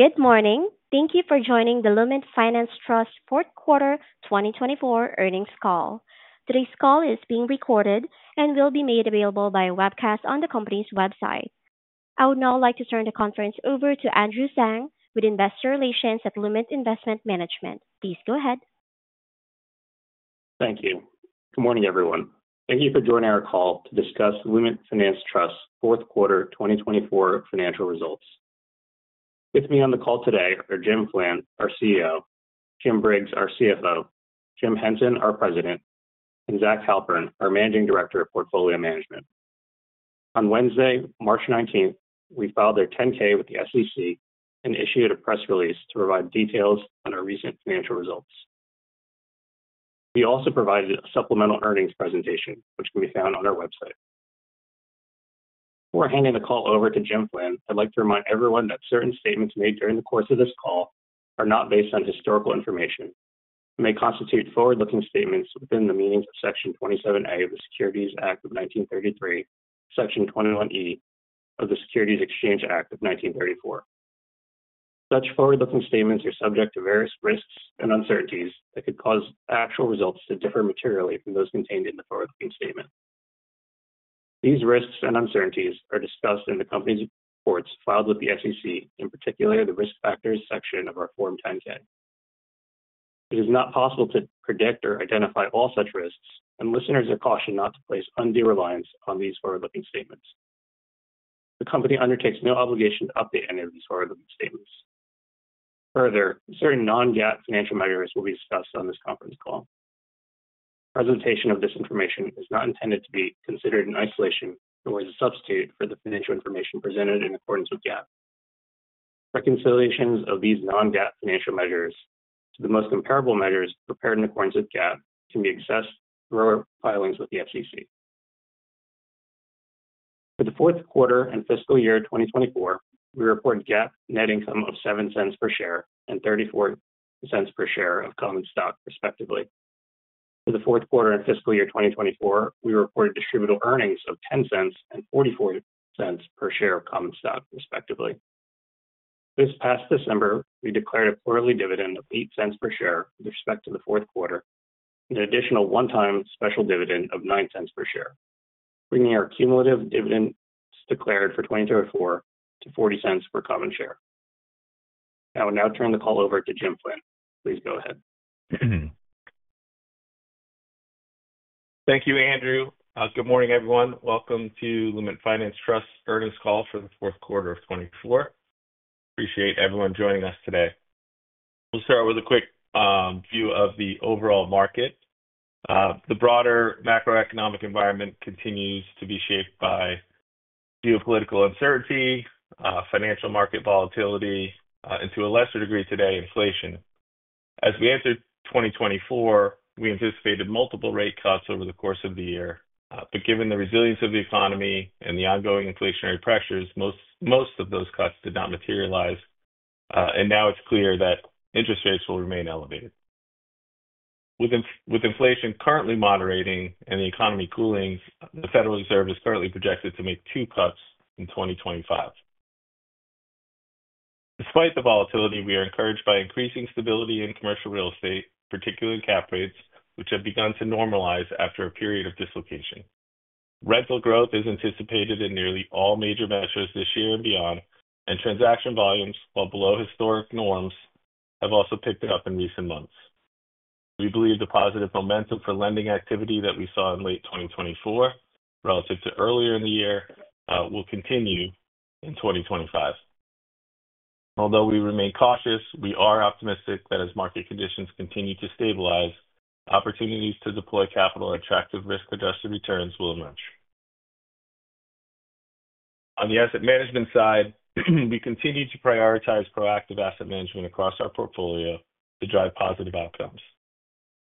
Good morning. Thank you for joining the Lument Finance Trust's fourth quarter 2024 earnings call. Today's call is being recorded and will be made available via webcast on the company's website. I would now like to turn the conference over to Andrew Tsang with Investor Relations at Lument Investment Management. Please go ahead. Thank you. Good morning, everyone. Thank you for joining our call to discuss Lument Finance Trust's fourth quarter 2024 financial results. With me on the call today are James Flynn, our CEO; James Briggs, our CFO; James Henson, our President; and Zach Halpern, our Managing Director of Portfolio Management. On Wednesday, March 19, we filed our 10-K with the SEC and issued a press release to provide details on our recent financial results. We also provided a supplemental earnings presentation, which can be found on our website. Before handing the call over to James Flynn, I'd like to remind everyone that certain statements made during the course of this call are not based on historical information and may constitute forward-looking statements within the meanings of Section 27A of the Securities Act of 1933, Section 21E of the Securities Exchange Act of 1934. Such forward-looking statements are subject to various risks and uncertainties that could cause actual results to differ materially from those contained in the forward-looking statement. These risks and uncertainties are discussed in the company's reports filed with the SEC, in particular the risk factors section of our Form 10-K. It is not possible to predict or identify all such risks, and listeners are cautioned not to place undue reliance on these forward-looking statements. The company undertakes no obligation to update any of these forward-looking statements. Further, certain non-GAAP financial measures will be discussed on this conference call. The presentation of this information is not intended to be considered in isolation nor as a substitute for the financial information presented in accordance with GAAP. Reconciliations of these non-GAAP financial measures to the most comparable measures prepared in accordance with GAAP can be accessed through our filings with the SEC. For the fourth quarter and fiscal year 2024, we reported GAAP net income of $0.07 per share and $0.34 per share of common stock, respectively. For the fourth quarter and fiscal year 2024, we reported distributable earnings of $0.10 and $0.44 per share of common stock, respectively. This past December, we declared a quarterly dividend of $0.08 per share with respect to the fourth quarter and an additional one-time special dividend of $0.09 per share, bringing our cumulative dividends declared for 2024 to $0.40 per common share. I will now turn the call over to James Flynn. Please go ahead. Thank you, Andrew. Good morning, everyone. Welcome to Lument Finance Trust's earnings call for the fourth quarter of 2024. Appreciate everyone joining us today. We'll start with a quick view of the overall market. The broader macroeconomic environment continues to be shaped by geopolitical uncertainty, financial market volatility, and to a lesser degree today, inflation. As we entered 2024, we anticipated multiple rate cuts over the course of the year, but given the resilience of the economy and the ongoing inflationary pressures, most of those cuts did not materialize, and now it's clear that interest rates will remain elevated. With inflation currently moderating and the economy cooling, the Federal Reserve is currently projected to make two cuts in 2025. Despite the volatility, we are encouraged by increasing stability in commercial real estate, particularly cap rates, which have begun to normalize after a period of dislocation. Rental growth is anticipated in nearly all major measures this year and beyond, and transaction volumes, while below historic norms, have also picked up in recent months. We believe the positive momentum for lending activity that we saw in late 2024 relative to earlier in the year will continue in 2025. Although we remain cautious, we are optimistic that as market conditions continue to stabilize, opportunities to deploy capital at attractive risk-adjusted returns will emerge. On the asset management side, we continue to prioritize proactive asset management across our portfolio to drive positive outcomes.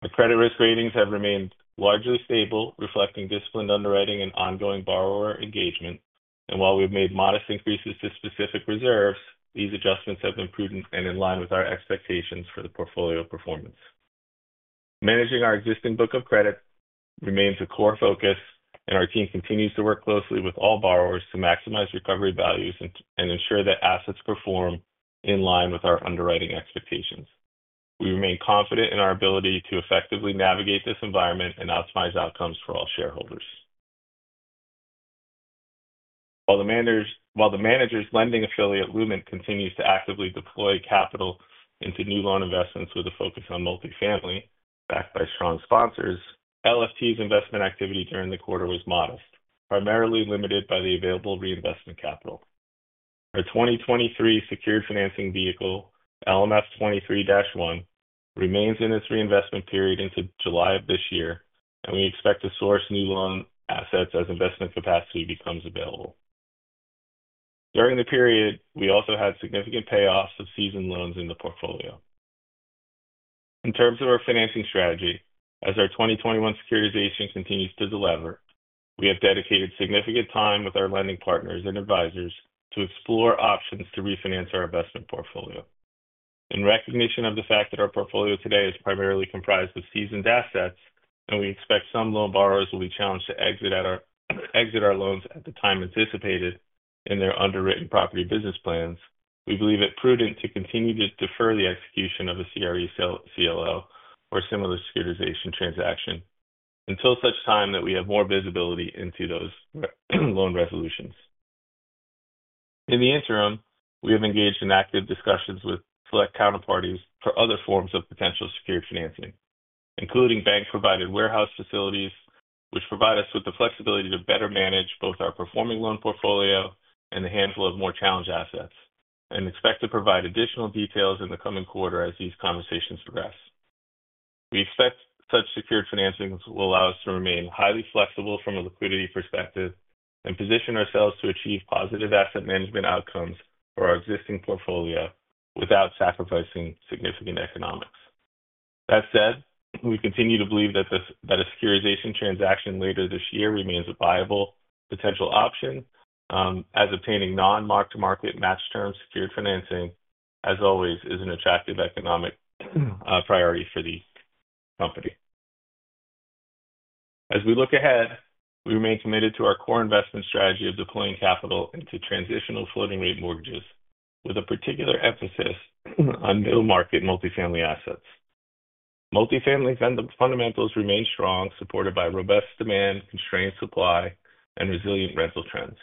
Our credit risk ratings have remained largely stable, reflecting disciplined underwriting and ongoing borrower engagement, and while we've made modest increases to specific reserves, these adjustments have been prudent and in line with our expectations for the portfolio performance. Managing our existing book of credit remains a core focus, and our team continues to work closely with all borrowers to maximize recovery values and ensure that assets perform in line with our underwriting expectations. We remain confident in our ability to effectively navigate this environment and optimize outcomes for all shareholders. While the manager's lending affiliate, Lument, continues to actively deploy capital into new loan investments with a focus on multifamily, backed by strong sponsors, LFT's investment activity during the quarter was modest, primarily limited by the available reinvestment capital. Our 2023 secured financing vehicle, LFT 23-1, remains in its reinvestment period into July of this year, and we expect to source new loan assets as investment capacity becomes available. During the period, we also had significant payoffs of seasoned loans in the portfolio. In terms of our financing strategy, as our 2021 securitization continues to deliver, we have dedicated significant time with our lending partners and advisors to explore options to refinance our investment portfolio. In recognition of the fact that our portfolio today is primarily comprised of seasoned assets and we expect some loan borrowers will be challenged to exit our loans at the time anticipated in their underwritten property business plans, we believe it prudent to continue to defer the execution of a CRE CLO or similar securitization transaction until such time that we have more visibility into those loan resolutions. In the interim, we have engaged in active discussions with select counterparties for other forms of potential secured financing, including bank-provided warehouse facilities, which provide us with the flexibility to better manage both our performing loan portfolio and a handful of more challenged assets, and expect to provide additional details in the coming quarter as these conversations progress. We expect such secured financings will allow us to remain highly flexible from a liquidity perspective and position ourselves to achieve positive asset management outcomes for our existing portfolio without sacrificing significant economics. That said, we continue to believe that a securitization transaction later this year remains a viable potential option, as obtaining non-mark-to-market match term secured financing, as always, is an attractive economic priority for the company. As we look ahead, we remain committed to our core investment strategy of deploying capital into transitional floating-rate mortgages, with a particular emphasis on middle-market multifamily assets. Multifamily fundamentals remain strong, supported by robust demand, constrained supply, and resilient rental trends.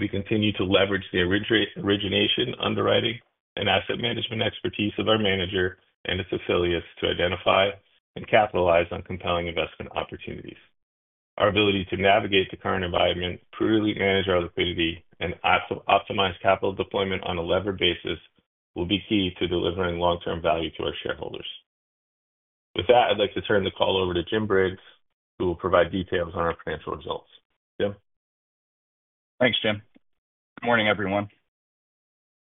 We continue to leverage the origination, underwriting, and asset management expertise of our manager and its affiliates to identify and capitalize on compelling investment opportunities. Our ability to navigate the current environment, prudently manage our liquidity, and optimize capital deployment on a levered basis will be key to delivering long-term value to our shareholders. With that, I'd like to turn the call over to James Briggs, who will provide details on our financial results. James? Thanks, James. Good morning, everyone.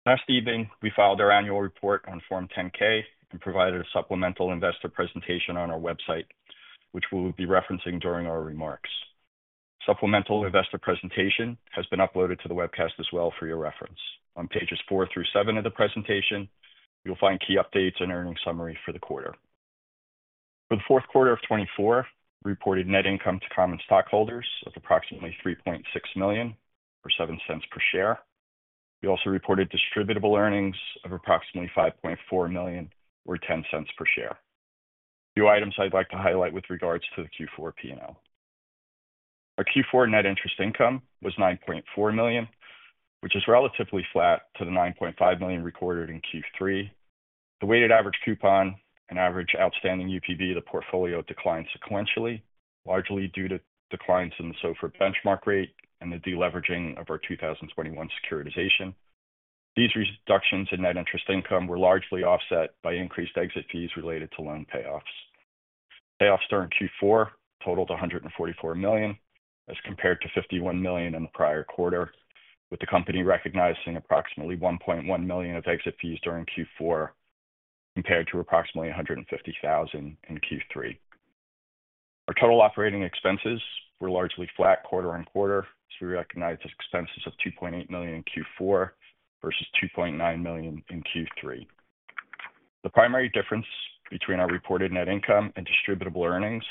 Last evening, we filed our annual report on Form 10-K and provided a supplemental investor presentation on our website, which we will be referencing during our remarks. Supplemental investor presentation has been uploaded to the webcast as well for your reference. On pages four through seven of the presentation, you'll find key updates and earnings summary for the quarter. For the fourth quarter of 2024, we reported net income to common stockholders of approximately $3.6 million or $0.07 per share. We also reported distributable earnings of approximately $5.4 million or $0.10 per share. A few items I'd like to highlight with regards to the Q4 P&L. Our Q4 net interest income was $9.4 million, which is relatively flat to the $9.5 million recorded in Q3. The weighted average coupon and average outstanding UPB of the portfolio declined sequentially, largely due to declines in the SOFR benchmark rate and the deleveraging of our 2021 securitization. These reductions in net interest income were largely offset by increased exit fees related to loan payoffs. Payoffs during Q4 totaled $144 million, as compared to $51 million in the prior quarter, with the company recognizing approximately $1.1 million of exit fees during Q4 compared to approximately $150,000 in Q3. Our total operating expenses were largely flat quarter on quarter, as we recognized expenses of $2.8 million in Q4 versus $2.9 million in Q3. The primary difference between our reported net income and distributable earnings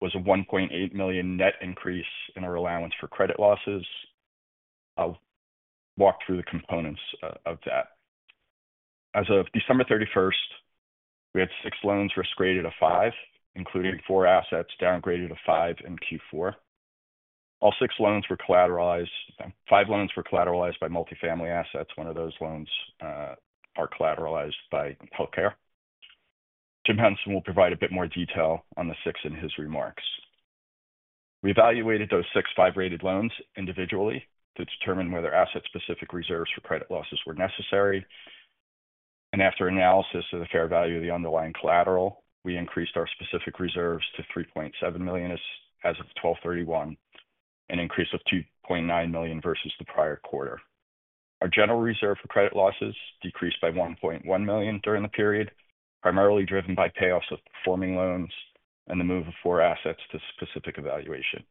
was a $1.8 million net increase in our allowance for credit losses. I'll walk through the components of that. As of December 31, we had six loans risk-rated a five, including four assets downgraded a five in Q4. All six loans were collateralized; five loans were collateralized by multifamily assets. One of those loans is collateralized by healthcare. James Henson will provide a bit more detail on the six in his remarks. We evaluated those six five-rated loans individually to determine whether asset-specific reserves for credit losses were necessary, and after analysis of the fair value of the underlying collateral, we increased our specific reserves to $3.7 million as of 12/31, an increase of $2.9 million versus the prior quarter. Our general reserve for credit losses decreased by $1.1 million during the period, primarily driven by payoffs of performing loans and the move of four assets to specific evaluation.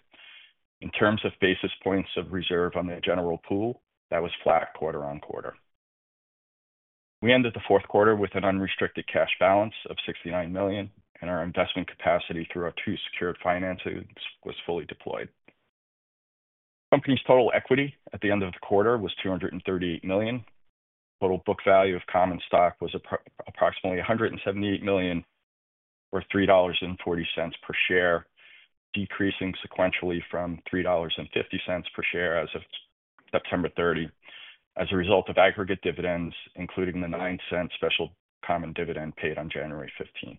In terms of basis points of reserve on the general pool, that was flat quarter on quarter. We ended the fourth quarter with an unrestricted cash balance of $69 million, and our investment capacity through our two secured finances was fully deployed. The company's total equity at the end of the quarter was $238 million. Total book value of common stock was approximately $178 million, or $3.40 per share, decreasing sequentially from $3.50 per share as of September 30 as a result of aggregate dividends, including the $0.09 special common dividend paid on January 15.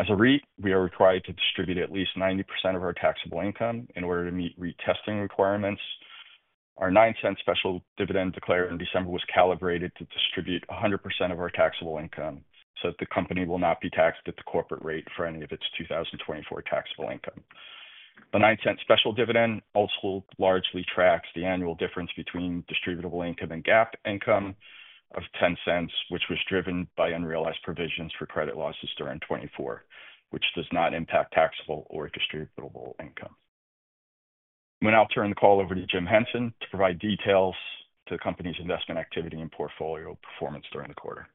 As a REIT, we are required to distribute at least 90% of our taxable income in order to meet REIT testing requirements. Our $0.09 special dividend declared in December was calibrated to distribute 100% of our taxable income so that the company will not be taxed at the corporate rate for any of its 2024 taxable income. The $0.09 special dividend also largely tracks the annual difference between distributable income and GAAP income of $0.10, which was driven by unrealized provisions for credit losses during 2024, which does not impact taxable or distributable income. I'll turn the call over to James Henson to provide details to the company's investment activity and portfolio performance during the quarter.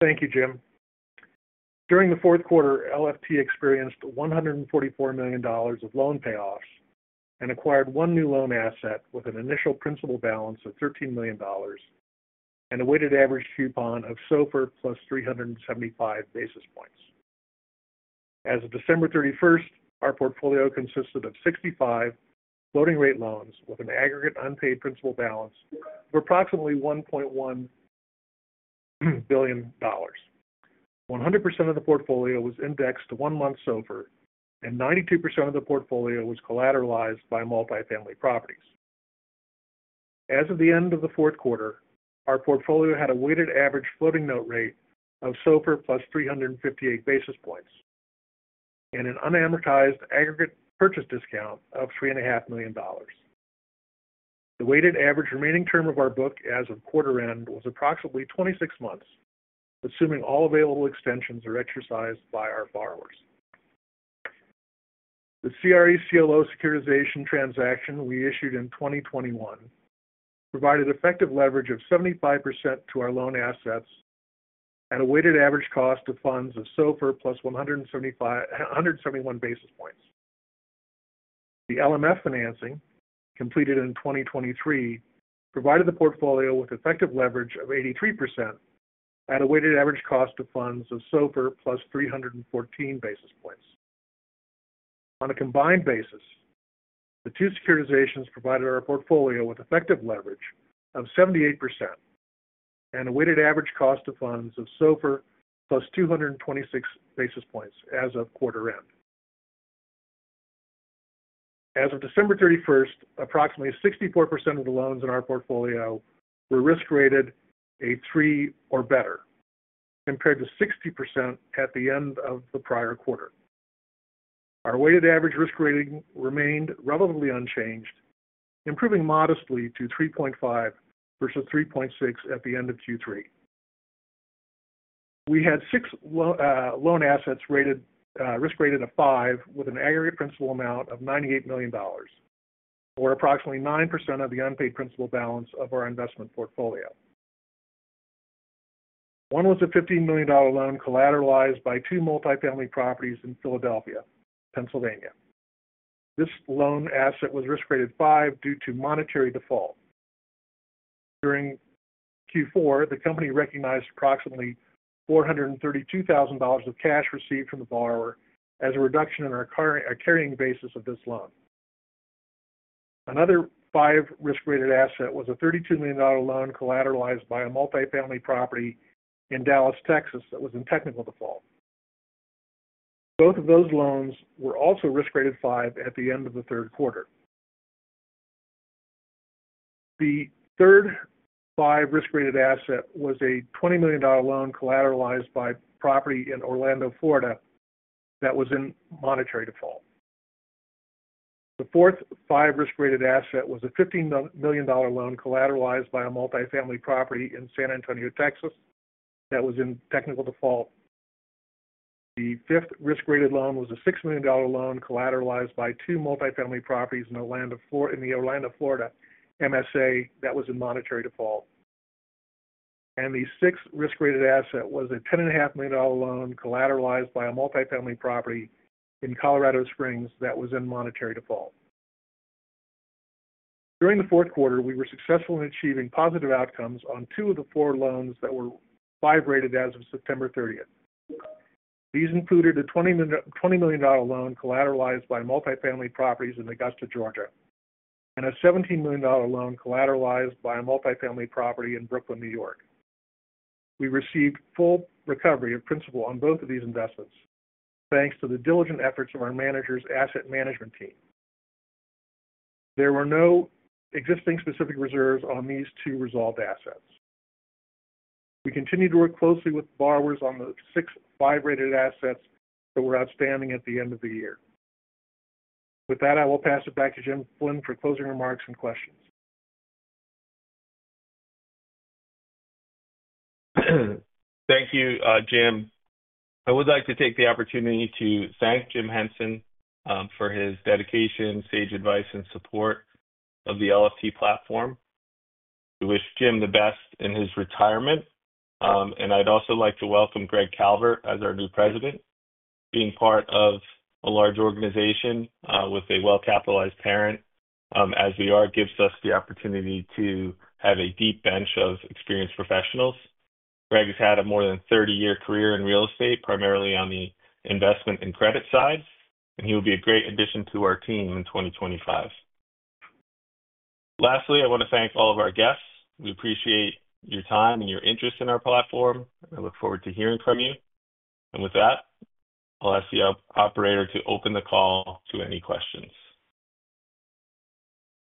Thank you, James. During the fourth quarter, LFT experienced $144 million of loan payoffs and acquired one new loan asset with an initial principal balance of $13 million and a weighted average coupon of SOFR plus 375 basis points. As of December 31, our portfolio consisted of 65 floating-rate loans with an aggregate unpaid principal balance of approximately $1.1 billion. 100% of the portfolio was indexed to one-month SOFR, and 92% of the portfolio was collateralized by multifamily properties. As of the end of the fourth quarter, our portfolio had a weighted average floating note rate of SOFR plus 358 basis points and an unamortized aggregate purchase discount of $3.5 million. The weighted average remaining term of our book as of quarter end was approximately 26 months, assuming all available extensions are exercised by our borrowers. The CRE CLO securitization transaction we issued in 2021 provided effective leverage of 75% to our loan assets at a weighted average cost of funds of SOFR plus 171 basis points. The LFT financing completed in 2023 provided the portfolio with effective leverage of 83% at a weighted average cost of funds of SOFR plus 314 basis points. On a combined basis, the two securitizations provided our portfolio with effective leverage of 78% and a weighted average cost of funds of SOFR plus 226 basis points as of quarter end. As of December 31, approximately 64% of the loans in our portfolio were risk-rated a three or better, compared to 60% at the end of the prior quarter. Our weighted average risk rating remained relatively unchanged, improving modestly to 3.5 versus 3.6 at the end of Q3. We had six loan assets risk-rated a five with an aggregate principal amount of $98 million, or approximately 9% of the unpaid principal balance of our investment portfolio. One was a $15 million loan collateralized by two multifamily properties in Philadelphia, Pennsylvania. This loan asset was risk-rated five due to monetary default. During Q4, the company recognized approximately $432,000 of cash received from the borrower as a reduction in our carrying basis of this loan. Another five risk-rated asset was a $32 million loan collateralized by a multifamily property in Dallas, Texas, that was in technical default. Both of those loans were also risk-rated five at the end of the third quarter. The third five risk-rated asset was a $20 million loan collateralized by property in Orlando, Florida, that was in monetary default. The fourth five risk-rated asset was a $15 million loan collateralized by a multifamily property in San Antonio, Texas, that was in technical default. The fifth risk-rated loan was a $6 million loan collateralized by two multifamily properties in Orlando, Florida, MSA, that was in monetary default. The sixth risk-rated asset was a $10.5 million loan collateralized by a multifamily property in Colorado Springs that was in monetary default. During the fourth quarter, we were successful in achieving positive outcomes on two of the four loans that were five-rated as of September 30. These included a $20 million loan collateralized by multifamily properties in Augusta, Georgia, and a $17 million loan collateralized by a multifamily property in Brooklyn, New York. We received full recovery of principal on both of these investments, thanks to the diligent efforts of our manager's asset management team. There were no existing specific reserves on these two resolved assets. We continue to work closely with borrowers on the six five-rated assets that were outstanding at the end of the year. With that, I will pass it back to James Flynn for closing remarks and questions. Thank you, James. I would like to take the opportunity to thank James Henson for his dedication, sage advice, and support of the LFT platform. We wish James the best in his retirement. I would also like to welcome Greg Calvert as our new President. Being part of a large organization with a well-capitalized parent, as we are, gives us the opportunity to have a deep bench of experienced professionals. Greg has had a more than 30-year career in real estate, primarily on the investment and credit side, and he will be a great addition to our team in 2025. Lastly, I want to thank all of our guests. We appreciate your time and your interest in our platform, and I look forward to hearing from you. With that, I will ask the operator to open the call to any questions.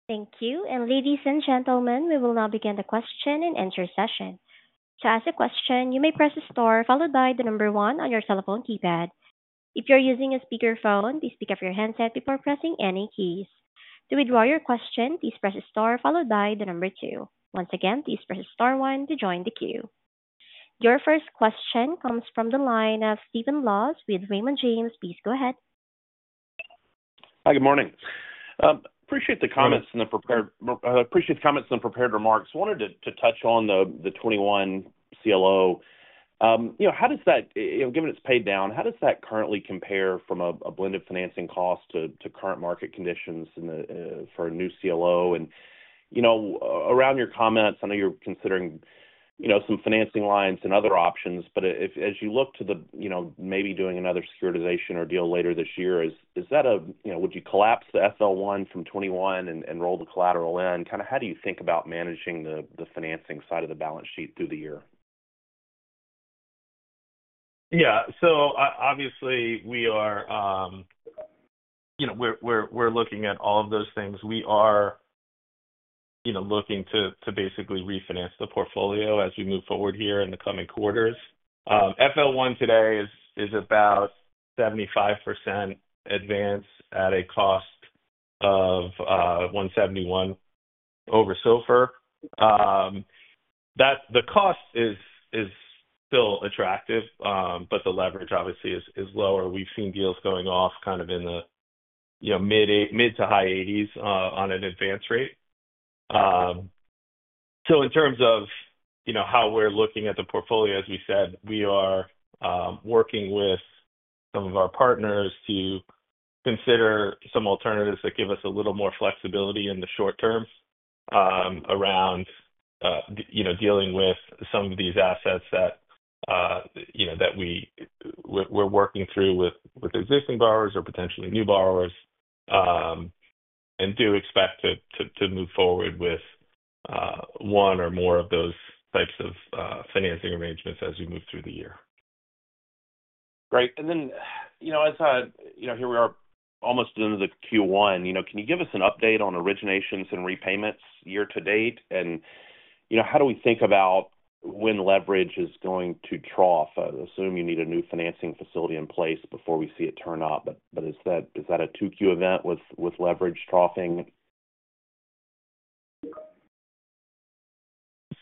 Thank you. Ladies and gentlemen, we will now begin the question and answer session. To ask a question, you may press the star followed by the number one on your telephone keypad. If you are using a speakerphone, please pick up your headset before pressing any keys. To withdraw your question, please press the star followed by the number two. Once again, please press the star one to join the queue. Your first question comes from the line of Stephen Laws with Raymond James. Please go ahead. Hi, good morning. Appreciate the comments and the prepared remarks. Wanted to touch on the '21 CLO. How does that, given it's paid down, how does that currently compare from a blended financing cost to current market conditions for a new CLO? Around your comments, I know you're considering some financing lines and other options, but as you look to maybe doing another securitization or deal later this year, is that a—would you collapse the FL1 from '21 and roll the collateral in? Kind of how do you think about managing the financing side of the balance sheet through the year? Yeah. Obviously, we're looking at all of those things. We are looking to basically refinance the portfolio as we move forward here in the coming quarters. FL1 today is about 75% advance at a cost of $171 over SOFR. The cost is still attractive, but the leverage, obviously, is lower. We've seen deals going off kind of in the mid to high 80s on an advance rate. In terms of how we're looking at the portfolio, as we said, we are working with some of our partners to consider some alternatives that give us a little more flexibility in the short term around dealing with some of these assets that we're working through with existing borrowers or potentially new borrowers and do expect to move forward with one or more of those types of financing arrangements as we move through the year. Great. As here we are almost into the Q1, can you give us an update on originations and repayments year to date? How do we think about when leverage is going to trough? Assume you need a new financing facility in place before we see it turn up, but is that a Q2 event with leverage troughing?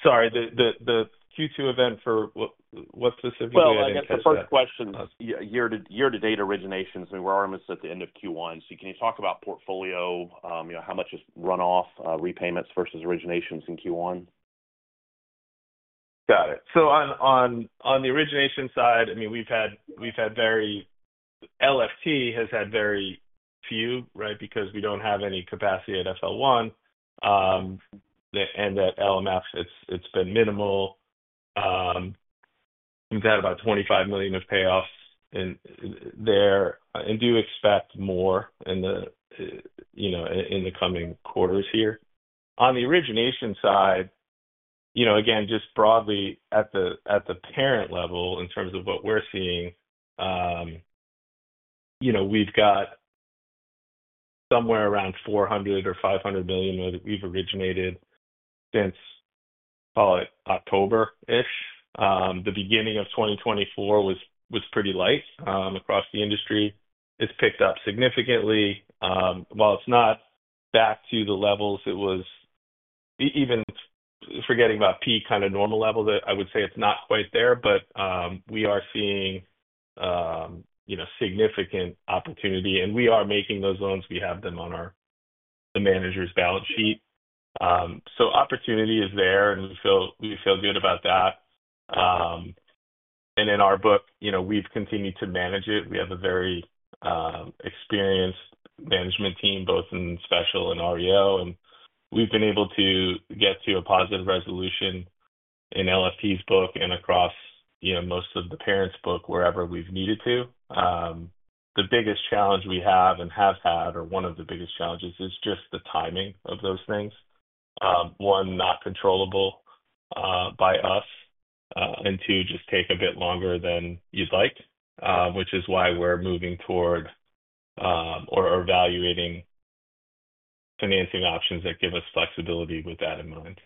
Sorry, the Q2 event for what specifically? I guess the first question, year-to-date originations, I mean, we're almost at the end of Q1. Can you talk about portfolio, how much is runoff, repayments versus originations in Q1? Got it. On the origination side, I mean, we've had very—LFT has had very few, right, because we don't have any capacity at FL1. At LFT, it's been minimal. We've had about $25 million of payoffs there, and do expect more in the coming quarters here. On the origination side, again, just broadly at the parent level in terms of what we're seeing, we've got somewhere around $400 or $500 million that we've originated since, call it, October-ish. The beginning of 2024 was pretty light across the industry. It's picked up significantly. While it's not back to the levels it was, even forgetting about peak kind of normal levels, I would say it's not quite there, but we are seeing significant opportunity. We are making those loans. We have them on the manager's balance sheet. Opportunity is there, and we feel good about that. In our book, we've continued to manage it. We have a very experienced management team, both in special and REO, and we've been able to get to a positive resolution in LFT's book and across most of the parents' book wherever we've needed to. The biggest challenge we have and have had, or one of the biggest challenges, is just the timing of those things. One, not controllable by us, and two, just take a bit longer than you'd like, which is why we're moving toward or evaluating financing options that give us flexibility with that in mind.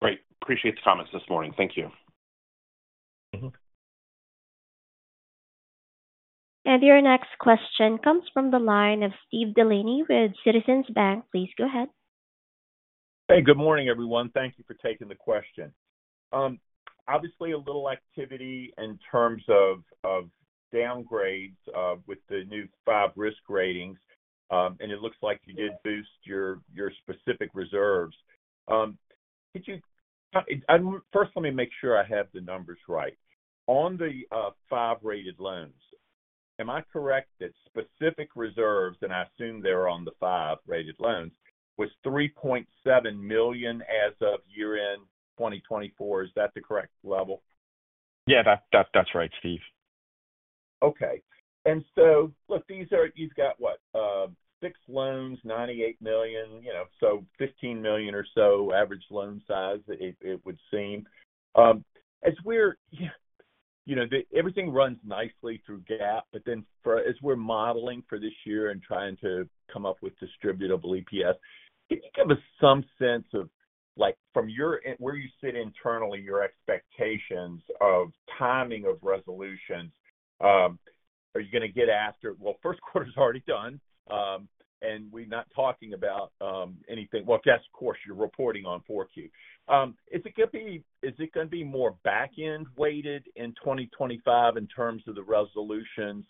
Great. Appreciate the comments this morning. Thank you. Your next question comes from the line of Steven Delaney with Citizens Bank. Please go ahead. Hey, good morning, everyone. Thank you for taking the question. Obviously, a little activity in terms of downgrades with the new five risk ratings, and it looks like you did boost your specific reserves. First, let me make sure I have the numbers right. On the five-rated loans, am I correct that specific reserves, and I assume they're on the five-rated loans, was $3.7 million as of year-end 2024? Is that the correct level? Yeah, that's right, Steven. Okay. These are—you've got, what, six loans, $98 million, so $15 million or so average loan size, it would seem. As we're—everything runs nicely through GAAP, but then as we're modeling for this year and trying to come up with distributable EPS, can you give us some sense of, from where you sit internally, your expectations of timing of resolutions? Are you going to get after—first quarter's already done, and we're not talking about anything—guess, of course, you're reporting on Q4. Is it going to be—is it going to be more back-end weighted in 2025 in terms of the resolutions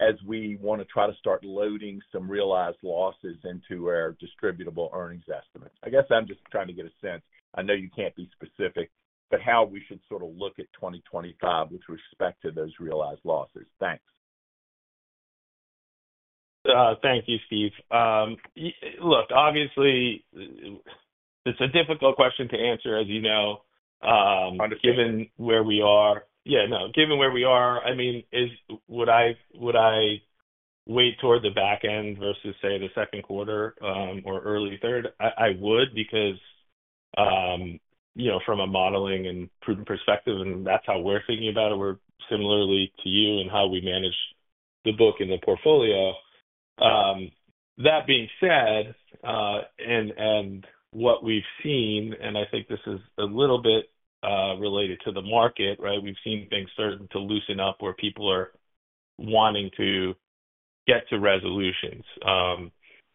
as we want to try to start loading some realized losses into our distributable earnings estimates? I guess I'm just trying to get a sense. I know you can't be specific, but how we should sort of look at 2025 with respect to those realized losses. Thanks. Thank you, Steven. Look, obviously, it's a difficult question to answer, as you know. Understood. Given where we are, yeah, no, given where we are, I mean, would I wait toward the back end versus, say, the second quarter or early third? I would because, from a modeling and prudent perspective, and that's how we're thinking about it, similarly to you and how we manage the book and the portfolio. That being said, and what we've seen, and I think this is a little bit related to the market, right? We've seen things starting to loosen up where people are wanting to get to resolutions,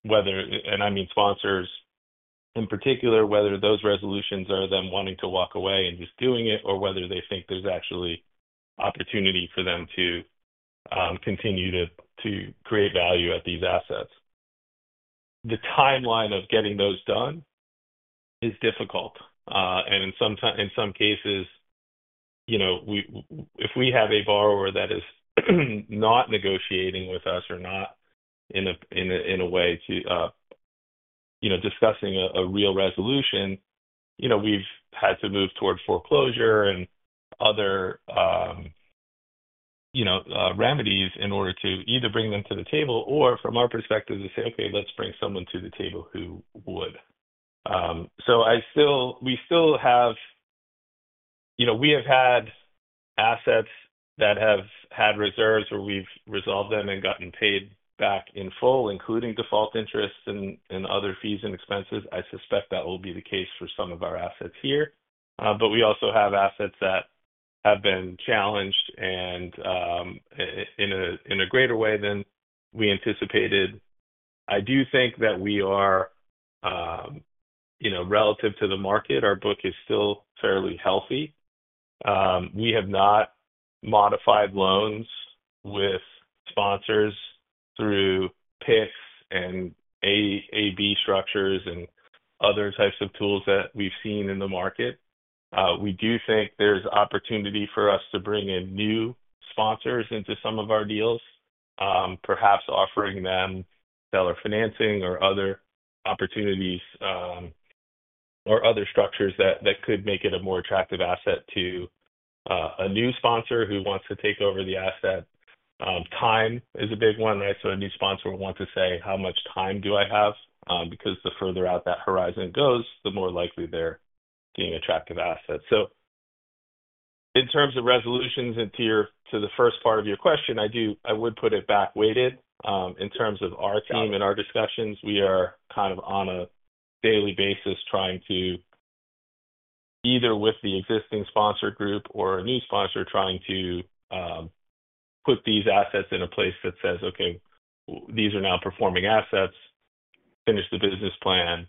whether—and I mean sponsors in particular—whether those resolutions are them wanting to walk away and just doing it, or whether they think there's actually opportunity for them to continue to create value at these assets. The timeline of getting those done is difficult. In some cases, if we have a borrower that is not negotiating with us or not in a way to discussing a real resolution, we have had to move toward foreclosure and other remedies in order to either bring them to the table or, from our perspective, to say, "Okay, let's bring someone to the table who would." We still have—we have had assets that have had reserves where we have resolved them and gotten paid back in full, including default interest and other fees and expenses. I suspect that will be the case for some of our assets here. We also have assets that have been challenged in a greater way than we anticipated. I do think that we are, relative to the market, our book is still fairly healthy. We have not modified loans with sponsors through PIKs and A/B structures and other types of tools that we've seen in the market. We do think there's opportunity for us to bring in new sponsors into some of our deals, perhaps offering them seller financing or other opportunities or other structures that could make it a more attractive asset to a new sponsor who wants to take over the asset. Time is a big one, right? A new sponsor will want to say, "How much time do I have?" Because the further out that horizon goes, the more likely they're being attractive assets. In terms of resolutions and to the first part of your question, I would put it back-weighted. In terms of our team and our discussions, we are kind of on a daily basis trying to, either with the existing sponsor group or a new sponsor, try to put these assets in a place that says, "Okay, these are now performing assets. Finish the business plan.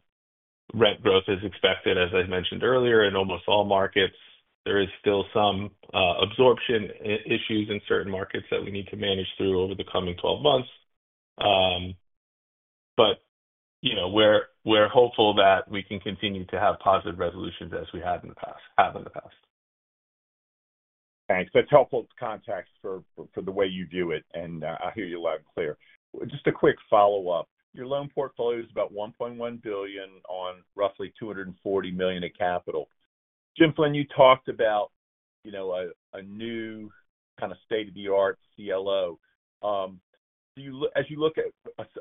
Rent growth is expected," as I mentioned earlier. In almost all markets, there is still some absorption issues in certain markets that we need to manage through over the coming 12 months. We are hopeful that we can continue to have positive resolutions as we have in the past. Thanks. That's helpful context for the way you view it, and I hear you loud and clear. Just a quick follow-up. Your loan portfolio is about $1.1 billion on roughly $240 million of capital. James Flynn, you talked about a new kind of state-of-the-art CLO. As you look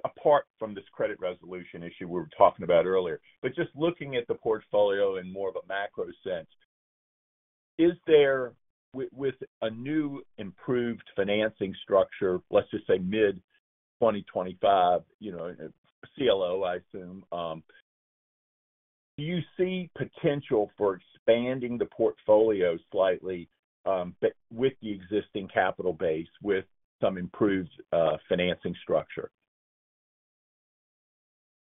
apart from this credit resolution issue we were talking about earlier, but just looking at the portfolio in more of a macro sense, is there, with a new improved financing structure, let's just say mid-2025, CLO, I assume, do you see potential for expanding the portfolio slightly with the existing capital base with some improved financing structure?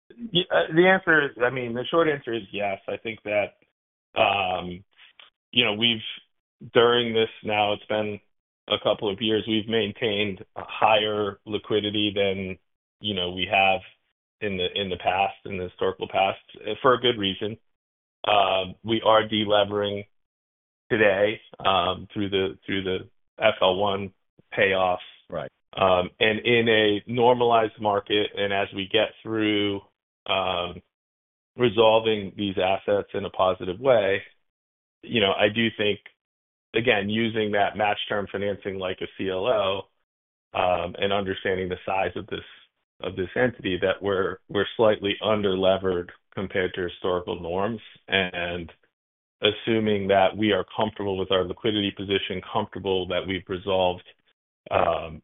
The answer is, I mean, the short answer is yes. I think that during this now, it's been a couple of years, we've maintained a higher liquidity than we have in the past, in the historical past, for a good reason. We are delevering today through the FL1 payoffs. In a normalized market, as we get through resolving these assets in a positive way, I do think, again, using that match term financing like a CLO and understanding the size of this entity, that we're slightly under-levered compared to historical norms. Assuming that we are comfortable with our liquidity position, comfortable that we've resolved the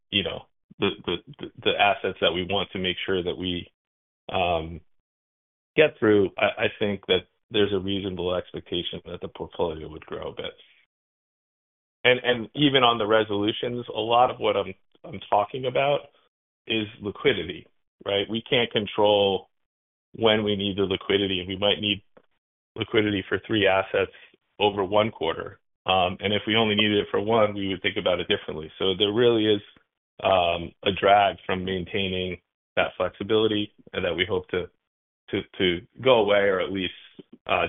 assets that we want to make sure that we get through, I think that there's a reasonable expectation that the portfolio would grow a bit. Even on the resolutions, a lot of what I'm talking about is liquidity, right? We can't control when we need the liquidity. We might need liquidity for three assets over one quarter. If we only needed it for one, we would think about it differently. There really is a drag from maintaining that flexibility and that we hope to go away or at least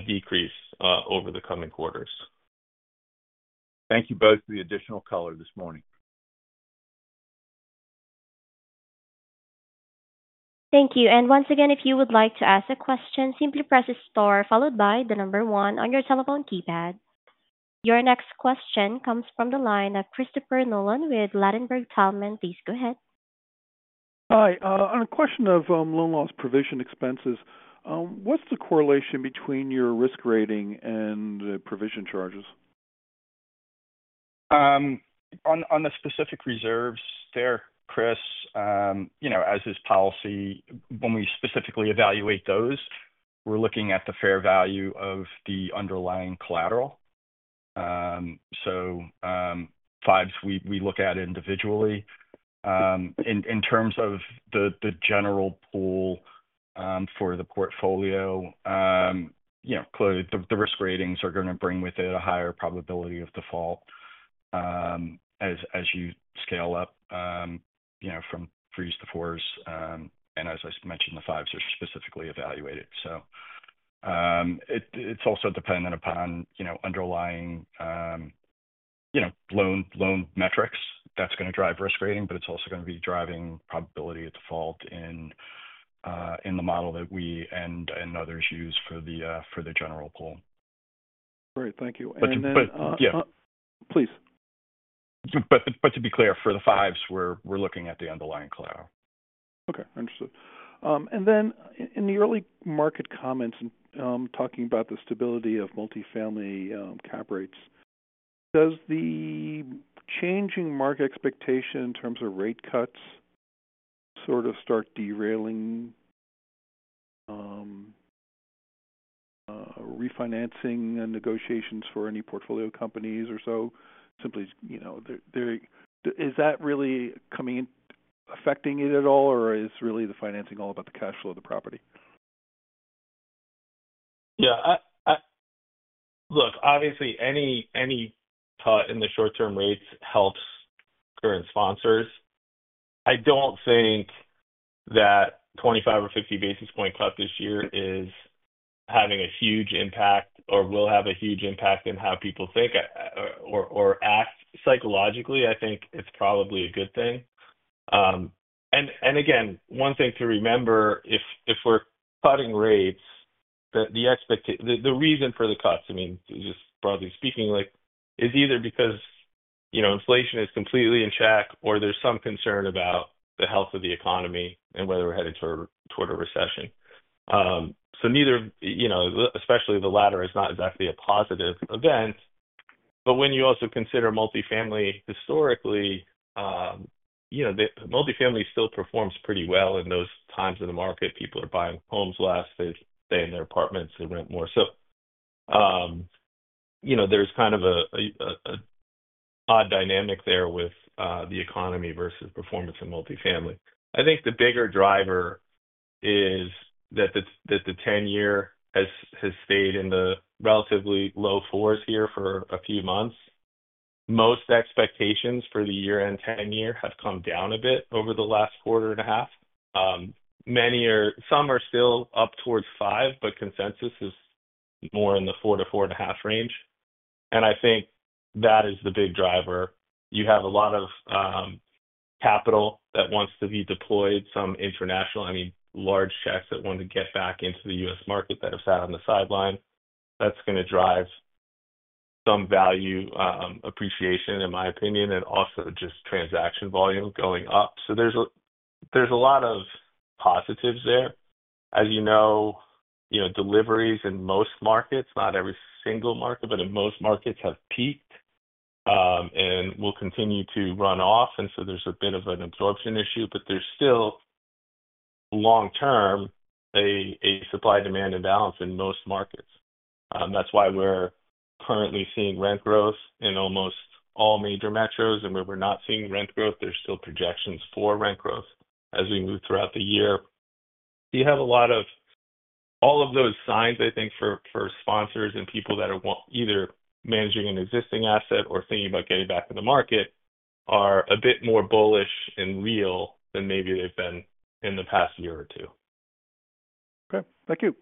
decrease over the coming quarters. Thank you both for the additional color this morning. Thank you. Once again, if you would like to ask a question, simply press Star, followed by the number one on your telephone keypad. Your next question comes from the line of Christopher Nolan with Ladenburg Thalmann. Please go ahead. Hi. On a question of loan loss provision expenses, what's the correlation between your risk rating and provision charges? On the specific reserves there, Chris, as is policy, when we specifically evaluate those, we're looking at the fair value of the underlying collateral. Fives, we look at individually. In terms of the general pool for the portfolio, clearly, the risk ratings are going to bring with it a higher probability of default as you scale up from threes to fours. As I mentioned, the fives are specifically evaluated. It is also dependent upon underlying loan metrics that are going to drive risk rating, but it is also going to be driving probability of default in the model that we and others use for the general pool. Great. Thank you. Then. But. Please. To be clear, for the fives, we're looking at the underlying collateral. Okay. Understood. In the early market comments and talking about the stability of multifamily cap rates, does the changing market expectation in terms of rate cuts sort of start derailing refinancing negotiations for any portfolio companies or so? Simply, is that really affecting it at all, or is really the financing all about the cash flow of the property? Yeah. Look, obviously, any cut in the short-term rates helps current sponsors. I do not think that 25 or 50 basis point cut this year is having a huge impact or will have a huge impact in how people think or act psychologically. I think it is probably a good thing. I mean, one thing to remember, if we are cutting rates, the reason for the cuts, I mean, just broadly speaking, is either because inflation is completely in check or there is some concern about the health of the economy and whether we are headed toward a recession. Neither, especially the latter, is not exactly a positive event. When you also consider multifamily, historically, multifamily still performs pretty well in those times of the market. People are buying homes less. They stay in their apartments. They rent more. There is kind of an odd dynamic there with the economy versus performance in multifamily. I think the bigger driver is that the 10-year has stayed in the relatively low fours here for a few months. Most expectations for the year-end 10-year have come down a bit over the last quarter and a half. Some are still up towards five, but consensus is more in the 4-4.5% range. I think that is the big driver. You have a lot of capital that wants to be deployed, some international, I mean, large checks that want to get back into the US market that have sat on the sideline. That is going to drive some value appreciation, in my opinion, and also just transaction volume going up. There are a lot of positives there. As you know, deliveries in most markets, not every single market, but in most markets have peaked and will continue to run off. There is a bit of an absorption issue, but there is still, long-term, a supply-demand imbalance in most markets. That is why we are currently seeing rent growth in almost all major metros. Where we are not seeing rent growth, there are still projections for rent growth as we move throughout the year. You have a lot of all of those signs, I think, for sponsors and people that are either managing an existing asset or thinking about getting back in the market are a bit more bullish and real than maybe they have been in the past year or two. Okay. Thank you.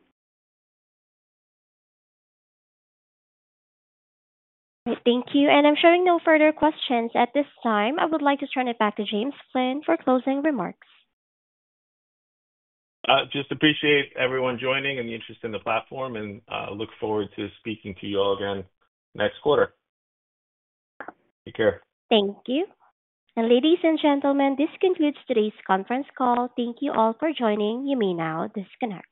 Thank you. I am showing no further questions at this time. I would like to turn it back to James Flynn for closing remarks. Just appreciate everyone joining and the interest in the platform, and look forward to speaking to you all again next quarter. Take care. Thank you. Ladies and gentlemen, this concludes today's conference call. Thank you all for joining. You may now disconnect.